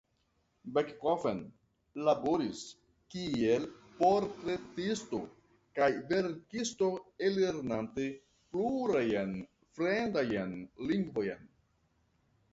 Backofen laboris kiel portretisto kaj verkisto ellernante plurajn fremdajn lingvojn.